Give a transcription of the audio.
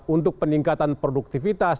untuk peningkatan produktivitas